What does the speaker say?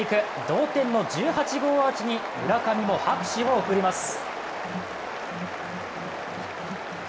同点の１８号アーチに村上も拍手を送ります。